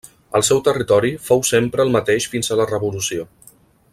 El seu territori fou sempre el mateix fins a la revolució.